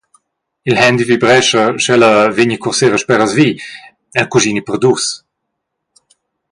Il handy vibrescha, sch’ella vegni cursera sperasvi, el cuschini per dus.